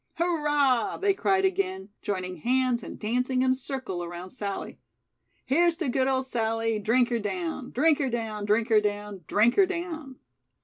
"Hurrah!" they cried again, joining hands and dancing in a circle around Sallie. "'Here's to good old Sallie, drink her down, Drink her down, drink her down, drink her down!'"